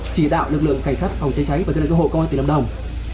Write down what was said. chỉ đạo lực lượng cảnh sát phòng cháy cháy và chữa cháy chữa cháy công an tỉnh lâm đồng